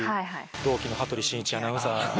同期の羽鳥慎一アナウンサー。